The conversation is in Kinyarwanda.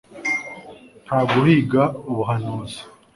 nta guhiga ubuhanuzi